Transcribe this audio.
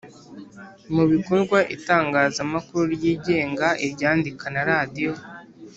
mu bikorwa Itangazamakuru ryigenga iryandika na radiyo